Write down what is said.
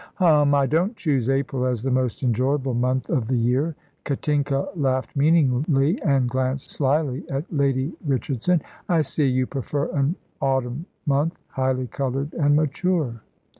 "Hum! I don't choose April as the most enjoyable month of the year." Katinka laughed meaningly, and glanced slyly at Lady Richardson. "I see; you prefer an autumn month highly coloured and mature."